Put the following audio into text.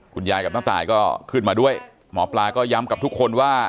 คุณยายกับน้าตายก็ขึ้นมาด้วยหมอปลาก็ย้ำกับทุกคนว่า